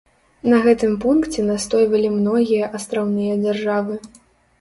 На гэтым пункце настойвалі многія астраўныя дзяржавы.